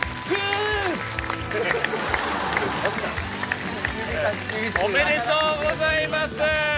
トゥース！おめでとうございます。